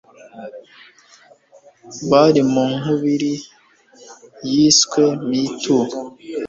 bari mu nkubiri yiswe #MeToo